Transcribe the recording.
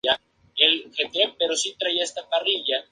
Aquel fue un gran año para Bevilacqua y para Talleres.